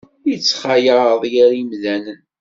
Yettxalaḍ yir yemdanen.